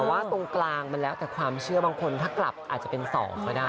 แต่ว่าตรงกลางมันแล้วแต่ความเชื่อบางคนถ้ากลับอาจจะเป็น๒ก็ได้